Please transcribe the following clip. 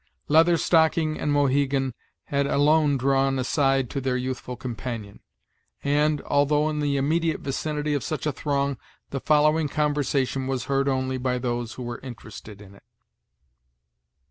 Leather Stocking and Mohegan had alone drawn aside to their youthful companion; and, although in the immediate vicinity of such a throng, the following conversation was heard only by those who were interested in it.